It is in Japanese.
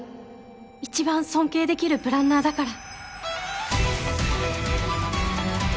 一番尊敬できるプランナーだから。